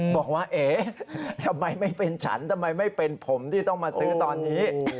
บอกว่าเอ๊ทำไมไม่เป็นฉันทำไมไม่เป็นผมที่ต้องมาซื้อตอนนี้